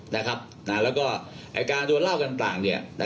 แล้วก็การโดนเล่าต่าง